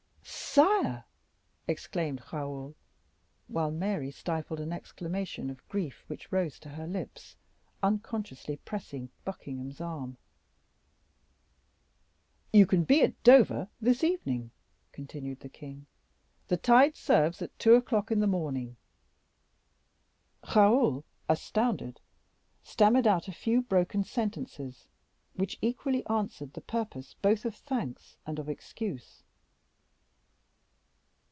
"Sire!" exclaimed Raoul, while Mary stifled an exclamation of grief which rose to her lips, unconsciously pressing Buckingham's arm. "You can be at Dover this evening," continued the king, "the tide serves at two o'clock in the morning." Raoul, astounded, stammered out a few broken sentences, which equally answered the purpose both of thanks and of excuse.